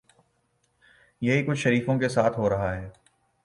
یہی کچھ شریفوں کے ساتھ ہو رہا ہے۔